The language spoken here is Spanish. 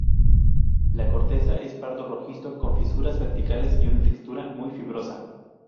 La corteza es pardo rojizo, con fisuras verticales y una textura muy fibrosa.